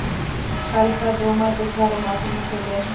خلیفه د امت د چارو مسؤل مشر دی.